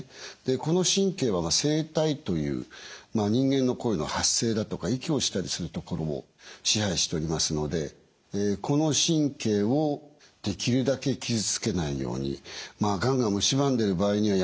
この神経は声帯という人間の声の発声だとか息をしたりする所を支配しておりますのでこの神経をできるだけ傷つけないようにがんがむしばんでいる場合にはやむなく切除することも